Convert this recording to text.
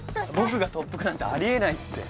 僕が特服なんてあり得ないって。